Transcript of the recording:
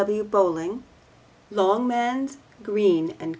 W. Bowling. (Longmans, Green and Co.)